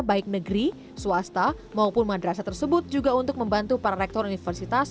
baik negeri swasta maupun madrasah tersebut juga untuk membantu para rektor universitas